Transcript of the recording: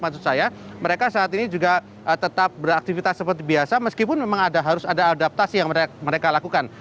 maksud saya mereka saat ini juga tetap beraktivitas seperti biasa meskipun memang harus ada adaptasi yang mereka lakukan